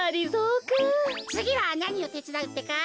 つぎはなにをてつだうってか？